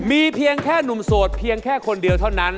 มีเพียงแค่หนุ่มโสดเพียงแค่คนเดียวเท่านั้น